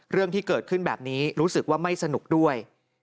เรื่องที่เกิดขึ้นแบบนี้รู้สึกว่าไม่สนุกด้วย